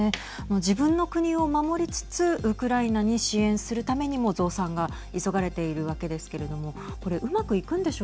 自分の国を守りつつウクライナに支援するためにも増産が急がれているわけですけれどもＮＡＴＯ